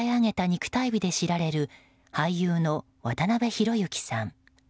肉体美で知られる俳優の渡辺裕之さん。